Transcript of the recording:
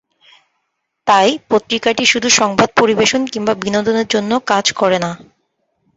তাই পত্রিকাটি শুধু সংবাদ পরিবেশন কিংবা বিনোদনের জন্য কাজ করে না।